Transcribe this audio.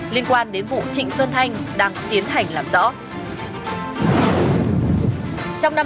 liên quan đến vụ trịnh xuân thanh đang tiến hành làm rõ